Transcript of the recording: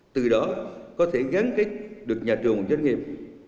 từ đó có thể gắn kích được nhà trường và doanh nghiệp